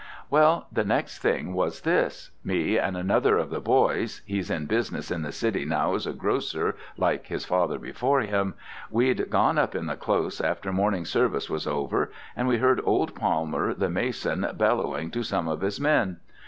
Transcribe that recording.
"Well, the next thing was this. Me and another of the boys he's in business in the city now as a grocer, like his father before him we'd gone up in the Close after morning service was over, and we heard old Palmer the mason bellowing to some of his men.